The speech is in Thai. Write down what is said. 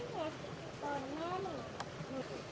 พวกเขาถ่ายมันตรงกลาง